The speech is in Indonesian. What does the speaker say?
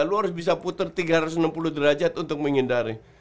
lu harus bisa puter tiga ratus enam puluh derajat untuk menghindari